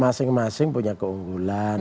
masing masing punya keunggulan